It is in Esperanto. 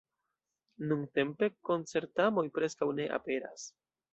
Nuntempe koncert-tamoj preskaŭ ne aperas.